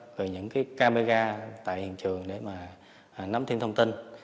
rồi những cái camera tại hiện trường để mà nắm thêm thông tin